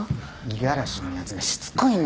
五十嵐のやつがしつこいんだよ。